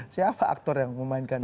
siapa aktor yang memainkannya